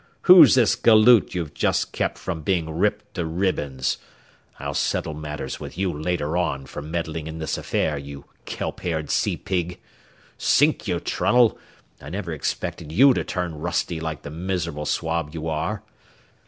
Who's this galoot you've just kept from being ripped to ribbons? I'll settle matters with you later on for meddling in this affair, you kelp haired sea pig. Sink you, Trunnell; I never expected you to turn rusty like the miserable swab you are."